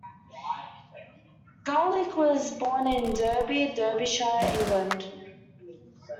Garlick was born in Derby, Derbyshire, England.